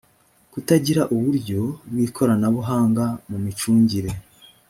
kutagira uburyo bw ikoranabuhanga mu micungire